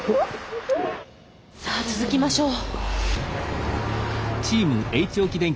さあ続きましょう。